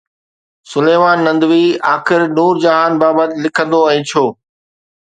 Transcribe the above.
سليمان ندوي آخر نور جهان بابت لکندو ۽ ڇو؟